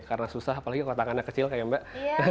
karena susah apalagi kalau tangannya kecil kayak mbak